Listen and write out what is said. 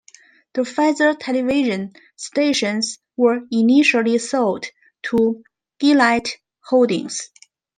The Fetzer television stations were initially sold to Gillett Holdings.